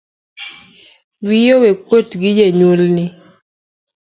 Wiyi owekuot gi janyuolni